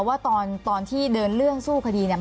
ว่าตอนที่เดินเรื่องสู้คดีเนี่ย